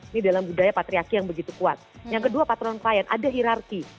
ini dalam budaya patriarki yang begitu kuat yang kedua patron klien ada hirarki